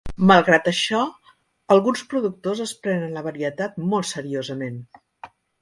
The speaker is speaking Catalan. Malgrat això, alguns productors es prenen la varietat molt seriosament.